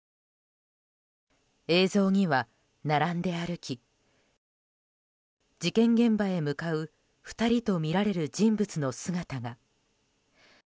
映像には、並んで歩き事件現場へ向かう２人とみられる人物の姿が。